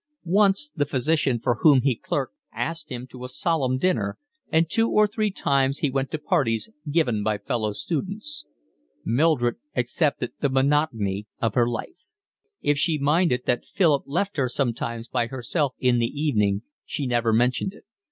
Once the physician for whom he clerked asked him to a solemn dinner, and two or three times he went to parties given by fellow students. Mildred accepted the monotony of her life. If she minded that Philip left her sometimes by herself in the evening she never mentioned it.